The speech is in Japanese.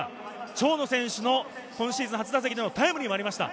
長野選手の今シーズン初打席でのタイムリーがありました。